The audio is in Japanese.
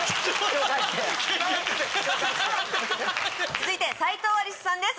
続いて斉藤アリスさんです